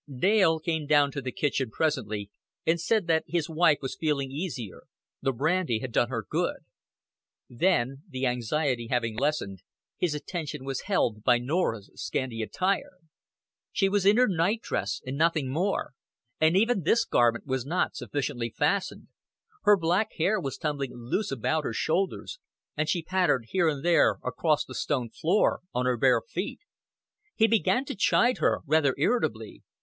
Dale came down to the kitchen presently, and said that his wife was feeling easier; the brandy had done her good. Then, the anxiety having lessened, his attention was held by Norah's scanty attire. She was in her night dress and nothing more, and even this garment was not sufficiently fastened; her black hair was tumbling loose about her shoulders, and she pattered here and there across the stone floor on her bare feet. He began to chide her, rather irritably.